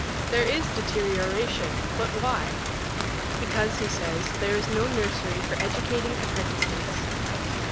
There is deterioration, but why? Because, he says, there is no nursery for educating apprentices.